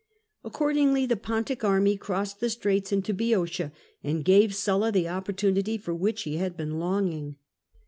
Accordingly the Pontic army crossed the straits into Boeotia, and gave Sulla the opportunity for which he had been longing.